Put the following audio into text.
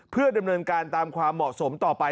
เพื่อดำเนินการตามความเหมาะสมต่อไป